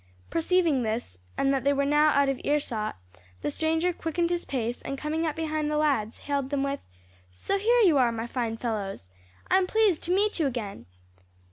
Perceiving this, and that they were now out of earshot, the stranger quickened his pace, and coming up behind the lads, hailed them with, "So here you are, my fine fellows! I'm pleased to meet you again!"